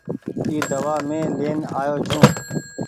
اي دوآ مين لين آيو ڇون ۔